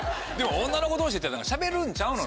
女の子同士で行ったらしゃべるんちゃうの？